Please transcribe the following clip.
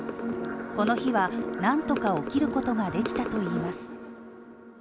この日は何とか起きることができたといいます